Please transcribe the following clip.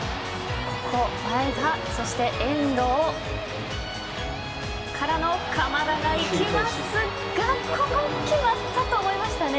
前田そして遠藤からの鎌田が行きますがここも決まったと思いましたね。